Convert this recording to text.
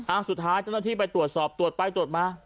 สุดท้ายเจ้าหน้าที่ไปตรวจสอบตรวจไปตรวจมา